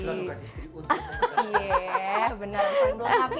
itu lalu kasih istri pun